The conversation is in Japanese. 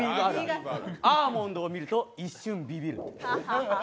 アーモンドを見ると一瞬、びびるやつ。